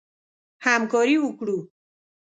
همکاري وکړو.